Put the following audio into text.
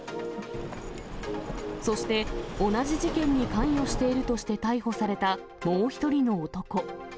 そして同じ事件に関与しているとして逮捕された、もう１人の男。